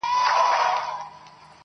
خپروي زړې تيارې پر ځوانو زړونو!.